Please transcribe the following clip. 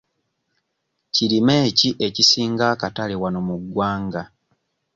Kirime ki ekisinga akatale wano mu ggwanga?